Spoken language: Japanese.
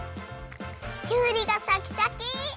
きゅうりがシャキシャキ！